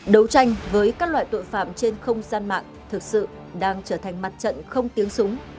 đấu tranh với các loại tội phạm trên không gian mạng thực sự đang trở thành mặt trận không tiếng súng